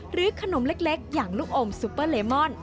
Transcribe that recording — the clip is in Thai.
ขนมเล็กอย่างลูกอมซูเปอร์เลมอน